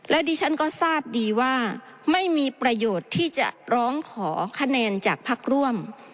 ดิฉันก็ทราบดีว่าไม่มีประโยชน์ที่จะร้องขอคะแนนจากพักร่วม